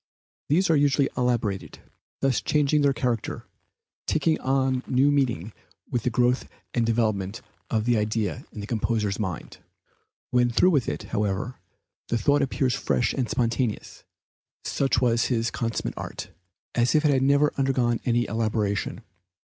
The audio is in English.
These are usually elaborated, thus changing their character, taking on new meaning with the growth and development of the idea in the composer's mind; when through with it, however, the thought appears fresh and spontaneous, such was his consummate art, as if it had never undergone any elaboration.